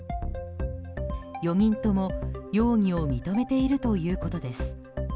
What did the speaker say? ４人とも容疑を認めているということです。